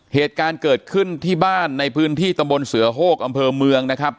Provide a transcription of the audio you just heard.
เหตุการณ์เกิดขึ้นที่บ้านในพื้นที่ตำบลเสือโฮกอำเภอเมืองนะครับ